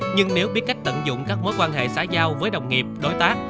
nhưng nếu biết cách tận dụng các mối quan hệ xã giao với đồng nghiệp đối tác